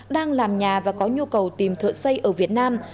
đang làm nhà và có nhu cầu tìm thợ xây ở việt nam